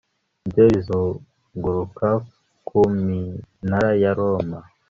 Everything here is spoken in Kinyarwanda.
Ibyo bizunguruka ku minara ya Roma